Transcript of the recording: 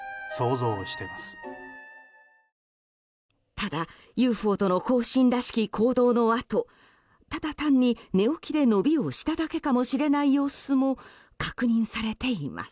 ただＵＦＯとの交信らしき行動のあとただ単に寝起きで伸びをしただけかもしれない様子も確認されています。